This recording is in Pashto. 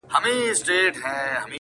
• په ارمان یې د نارنج او د انار یم ,